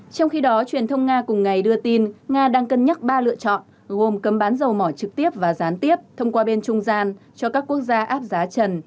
trong khi đó truyền thông nga cùng ngày đưa tin nga đang cân nhắc ba lựa chọn gồm cấm bán dầu mỏ trực tiếp và gián tiếp thông qua bên trung gian cho các quốc gia áp giá trần